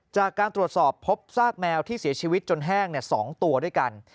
จากการตรวจสอบพบซากแมวที่เสียชีวิตจนแห้ง๒ตัวด้วยกัน